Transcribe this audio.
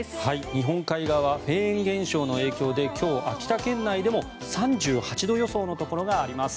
日本海側フェーン現象の影響で今日、秋田県内でも３８度予想のところがあります。